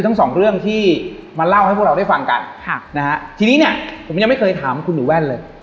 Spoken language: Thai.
อเจมส์ทีนี้เนี่ยผมยังไม่เคยถามคุณหิวแว่นเลย